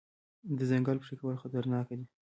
د ځنګل پرې کول خطرناک دي.